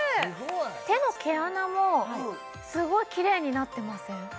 手の毛穴もすごいキレイになってません？